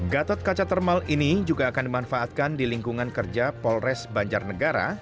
gatot kaca termal ini juga akan dimanfaatkan di lingkungan kerja polres banjarnegara